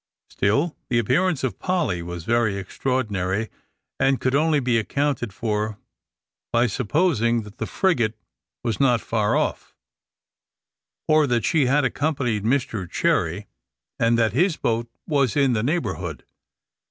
Still the appearance of Polly was very extraordinary, and could only be accounted for by supposing that the frigate was not far off; or that she had accompanied Mr Cherry, and that his boat was in the neighbourhood.